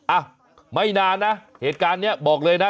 อ่ะไม่นานนะเหตุการณ์นี้บอกเลยนะ